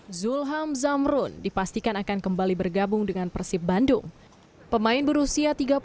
hai zulham zamrun dipastikan akan kembali bergabung dengan persib bandung pemain berusia